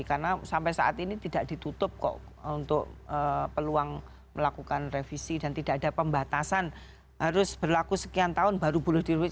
karena sampai saat ini tidak ditutup kok untuk peluang melakukan revisi dan tidak ada pembatasan harus berlaku sekian tahun baru boleh di revisi